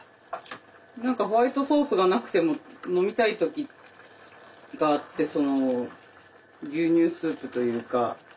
何かホワイトソースがなくても飲みたい時があって牛乳スープというか。